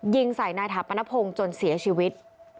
ยิงใส่นายถาปนพงศ์จนเสียชีวิต